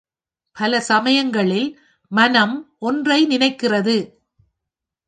பல சமயங்களில் மனம் ஒன்றை நினைக்கிறது.